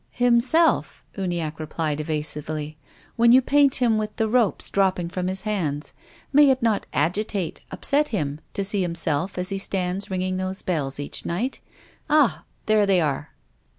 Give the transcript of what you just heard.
"Himself," Uniacke replied, evasively. "When you paint him with the ropes dropping from his hands. May it not agitate, upset him, to sec him self as he stands ringing those bells each night? Ah ! there they are